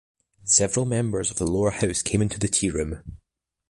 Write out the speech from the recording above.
Several members of the lower house came into the tea room.